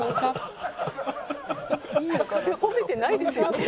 それ褒めてないですよね。